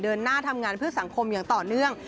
เดินหน้าทำงานเพื่อสังคมอย่างต่อเนื่อง